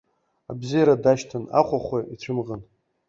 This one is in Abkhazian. Абзиара дашьҭан, ахәахәа ицәымӷын.